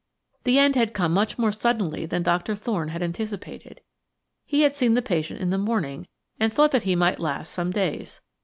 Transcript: The end had come much more suddenly than Doctor Thorne had anticipated. He had seen the patient in the morning and thought that he might last some days.